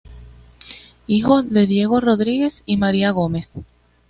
Hijo de Diego Rodríguez y María Gómez.